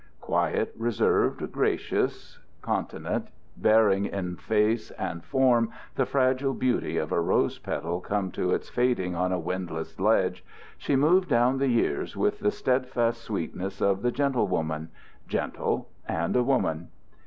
Quiet, reserved, gracious, continent, bearing in face and form the fragile beauty of a rose petal come to its fading on a windless ledge, she moved down the years with the stedfast sweetness of the gentlewoman gentle, and a woman.